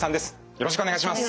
よろしくお願いします。